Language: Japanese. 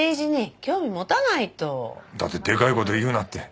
だってでかい事言うなって。